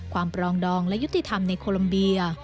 ความปรองดองและยุติธรรมในโคลมเบียร์